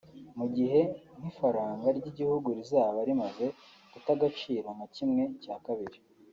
mu gihe nk’ifaranga ry’igihugu rizaba rimaze guta agaciro nka kimwe cya kabiri